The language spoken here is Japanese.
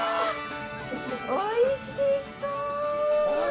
おいしそう！